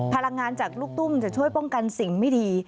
พลังงานจากลูกตุ้มจะช่วยป้องกันสิ่งไม่ดี